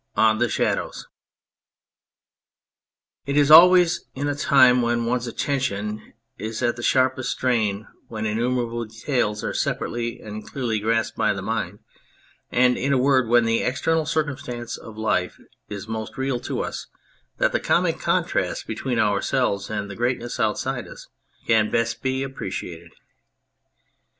97 THE SHADOWS IT is always in a time when one's attention is at the sharpest strain, when innumerable details are separately and clearly grasped by the mind, and, in a word, when the external circumstance of life is most real to us that the comic contrast between ourselves and the greatness outside us can best be appreciated.